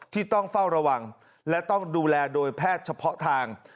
ที่ต้องเฝ้าระวังและต้องดูแลโดยแพทย์เฉพาะทาง